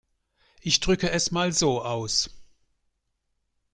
Ich drücke es mal so aus.